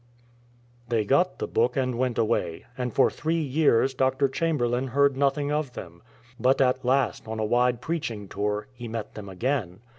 They got the book and went away, and for three years Dr. Chamberlain heard nothing of them. But at last on a wide preaching tour he met them again.